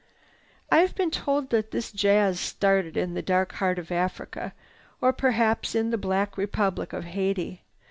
"I've been told that this jazz started in the dark heart of Africa, or perhaps in the black Republic of Haiti.